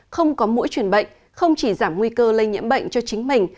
không có mũi truyền bệnh không chỉ giảm nguy cơ lây nhiễm bệnh cho chính mình